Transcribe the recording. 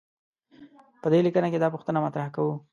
په دې لیکنه کې دا پوښتنه مطرح کوو.